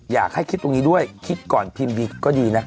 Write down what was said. อยากให้คิดตรงนี้ด้วยคิดก่อนพิมพ์ดีก็ดีนะ